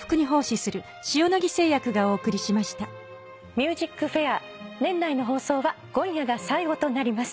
『ＭＵＳＩＣＦＡＩＲ』年内の放送は今夜が最後となります。